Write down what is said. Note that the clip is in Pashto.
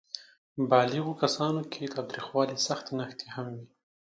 بالغو کسانو کې د تاوتریخوالي سختې نښې هم وې.